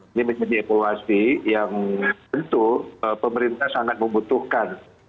ini menjadi evaluasi yang tentu pemerintah sangat membutuhkan